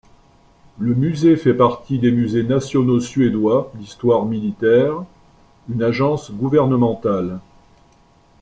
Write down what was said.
Le musée fait partie des musées nationaux suédois d'histoire militaire, une agence gouvernementale.